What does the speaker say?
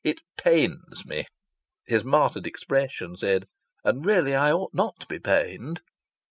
"It pains me." (His martyred expression said, "And really I ought not to be pained!")